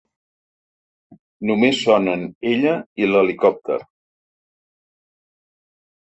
Només sonen ella i l’helicòpter.